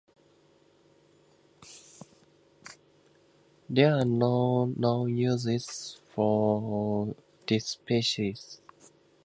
There are no known uses for this species.